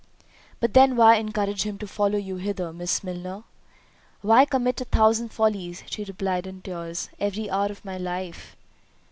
"But then why encourage him to follow you hither, Miss Milner?" "Why commit a thousand follies (she replied in tears) every hour of my life?"